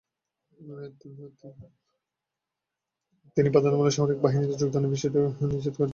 তিনি বাধ্যতামূলক সামরিক বাহিনীতে যোগদানের বিষয়ে চেষ্টা করেন কিন্তু ব্যর্থ হন।